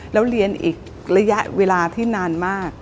แล้วเรียนอีกระยะเวลาที่นานมาก